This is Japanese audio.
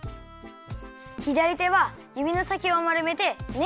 ひだりてはゆびのさきをまるめてね